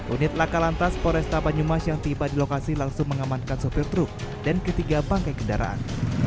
unit lakalantas polresta banyumas yang tiba di lokasi langsung mengamankan sopir truk dan ketiga pangkai kendaraan